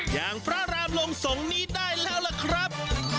อย่างพระรามลงสงฆ์นี้ได้แล้วล่ะครับ